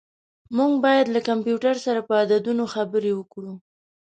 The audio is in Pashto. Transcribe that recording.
موږ باید له کمپیوټر سره په عددونو خبرې وکړو.